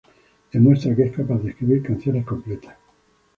Demuestra que es capaz de escribir canciones completas.